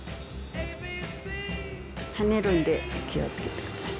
はねるんで気をつけてください。